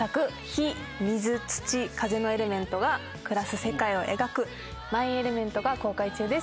火水土風のエレメントが暮らす世界を描く『マイ・エレメント』が公開中です。